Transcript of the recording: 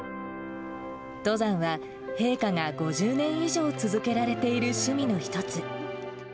登山は陛下が５０年以上続けられている趣味の一つ。